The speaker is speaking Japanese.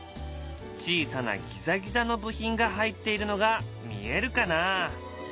小さなギザギザの部品が入っているのが見えるかな？